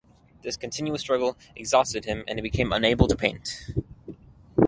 This continual struggle exhausted him and he became unable to paint.